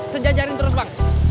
sejajarin terus bang